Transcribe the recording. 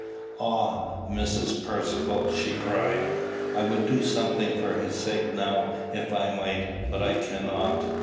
"Ah, Mrs. Percivale!" she cried: "I would do something for His sake now if I might, but I cannot.